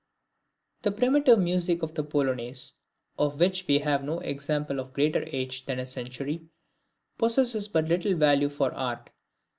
The primitive music of the Polonaise, of which we have no example of greater age than a century, possesses but little value for art.